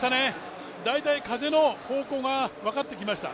大体風の方向が分かってきました。